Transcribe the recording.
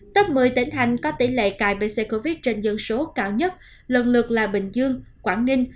tấp một mươi tỉnh thành có tỷ lệ cài pc covid trên dân số cao nhất lần lượt là bình dương quảng ninh